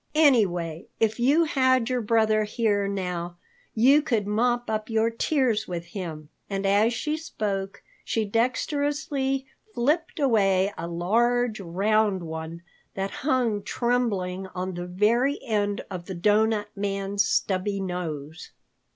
Anyway, if you had your brother here now, you could mop up your tears with him," and as she spoke, she dexterously flipped away a large, round one that hung trembling on the very end of the Doughnut Man's stubby nose.